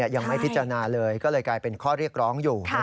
ยังไม่พิจารณาเลยก็เลยกลายเป็นข้อเรียกร้องอยู่